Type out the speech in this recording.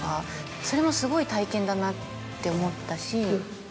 それもすごい体験だなって思ったし。